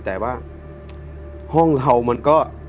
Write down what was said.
แต่ว่าห้องเรามันก็